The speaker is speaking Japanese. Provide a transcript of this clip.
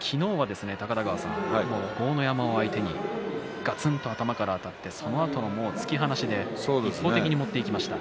昨日は豪ノ山を相手にガツンと頭からあたってそのあとの突き放しで一方的に持っていきました。